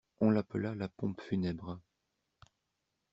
On l'appella la pompe funèbre.